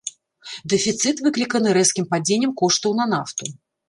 Дэфіцыт выкліканы рэзкім падзеннем коштаў на нафту.